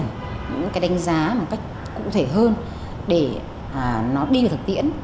những cái đánh giá một cách cụ thể hơn để nó đi vào thực tiễn